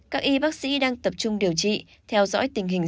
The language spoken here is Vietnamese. các y bác sĩ đang tập trung điều trị theo dõi tình hình